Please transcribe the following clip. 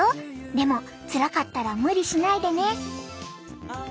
でもつらかったら無理しないでね！